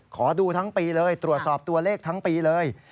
ขอดูทั้งปีเลยตรวจสอบตัวเลขทั้งปีเลย